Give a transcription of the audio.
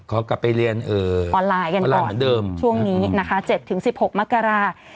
เขากลับไปเรียนออนไลน์กันก่อนช่วงนี้นะคะ๗๑๖มกราศาสตร์